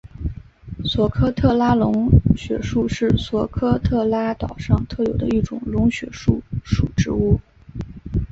索科特拉龙血树是索科特拉岛上特有的一种龙血树属植物。